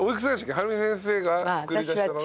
はるみ先生が作り出したのが？